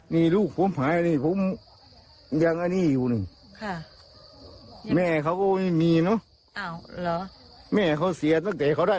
นี่แหละค่ะ